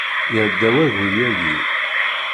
Iɛedda wayyur yagi.